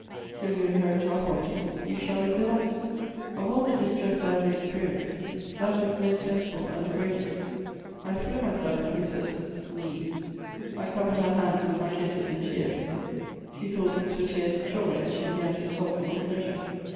Tdl you inherit our property, you shall Hve with us." * Of all the distress I ever experienced, that was the most sensible and the greatest. I threw myself at Mrs. —*— 's knees — I covered her hands with my kisses and tears. She thought these were tears of joy, and she began to sob from Eleasure.